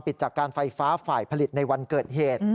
จากการไฟฟ้าฝ่ายผลิตในวันเกิดเหตุ